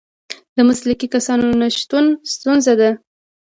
د مسلکي کسانو نشتون ستونزه ده.